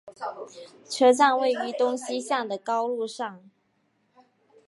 车站位于东西向的高路上。